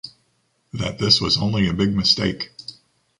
That this was only a big mistake.